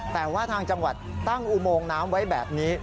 แต่ว่าทางจังหวัดตั้งอุโมงน้ำไว้แบบนี้